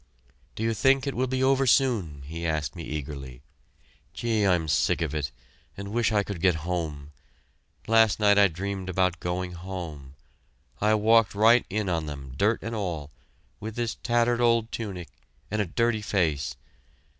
"Do you think it will be over soon?" he asked me eagerly. "Gee, I'm sick of it and wish I could get home. Last night I dreamed about going home. I walked right in on them dirt and all with this tattered old tunic and a dirty face.